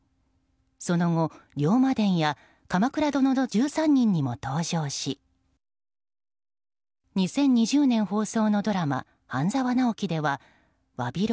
その後、「龍馬伝」や「鎌倉殿の１３人」にも登場し２０２０年放送のドラマ「半沢直樹」ではわびろ！